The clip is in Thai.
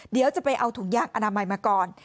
เดี๋ยวจะไปเอาถุงยางอนามัยมาก่อน